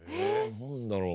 何だろう？